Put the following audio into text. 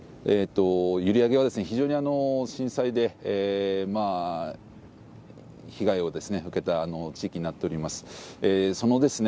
閖上は非常に震災で被害を受けた地域になっております。